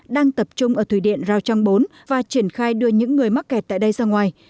đang tập trung ở thủy điện rào trang bốn và triển khai đưa những người mắc kẹt tại đây ra ngoài